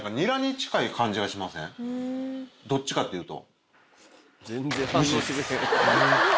どっちかっていうと。